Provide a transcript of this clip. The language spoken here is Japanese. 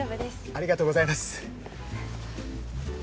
ありがとうございます。